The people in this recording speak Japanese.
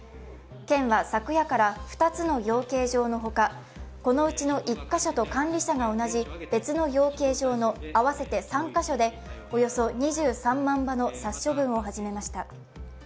県は昨夜から２つの養鶏場の他このうちの１カ所と管理者が同じ別の養鶏場の合わせて３カ所でおよそ２３万羽の殺処分を始めました。